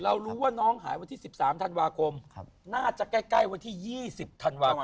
รู้ว่าน้องหายวันที่๑๓ธันวาคมน่าจะใกล้วันที่๒๐ธันวาคม